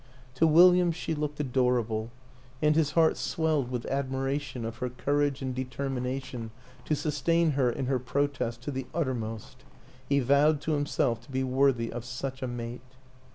To Wil liam she looked adorable and his heart swelled with admiration of her courage and determina tion to sustain her in her protest to the utter most; he vowed to himself to be worthy of such a mate.